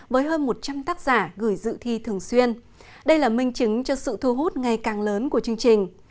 với hơn một trăm linh tác giả gửi dự thi thường xuyên đây là minh chứng cho sự thu hút ngày càng lớn của chương trình